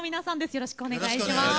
よろしくお願いします。